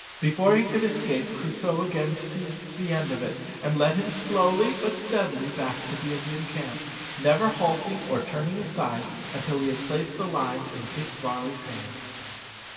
Before he could escape, Crusoe again seized the end of it, and led him slowly but steadily back to the Indian camp, never halting or turning aside until he had placed the line in Dick Varley's hand.